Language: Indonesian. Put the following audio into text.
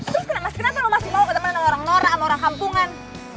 terus kenapa lo masih mau ketemuan orang norak sama orang kampungan